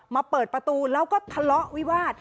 เปิดประตูแล้วก็ทะเลาะวิวาส